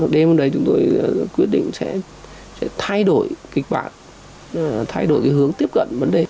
đêm hôm đấy chúng tôi quyết định sẽ thay đổi kịch bản thay đổi hướng tiếp cận vấn đề